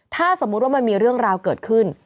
ถ้าสมมุติว่ามันมีเรื่องราวเกิดขึ้น